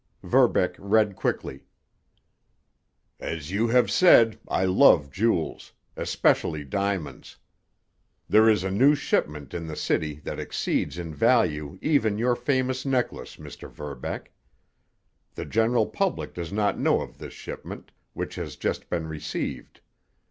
Verbeck read quickly: "As you have said, I love jewels—especially diamonds. There is a new shipment in the city that exceeds in value even your famous necklace, Mr. Verbeck. The general public does not know of this shipment, which has just been received.